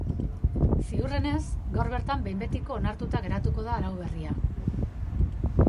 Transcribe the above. Ziurrenez, gaur bertan behin betiko onartuta geratuko da arau berria.